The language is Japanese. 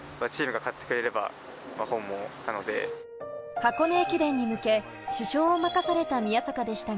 箱根駅伝に向け、主将を任された宮坂でしたが、